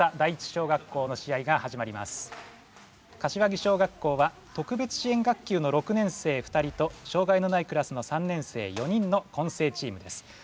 柏木小学校は特別支援学級の６年生２人としょうがいのないクラスの３年生４人のこんせいチームです。